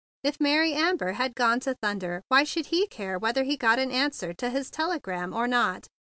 If Mary Amber had gone to thunder, why should he care whether he got an answer to his tele¬ gram or not?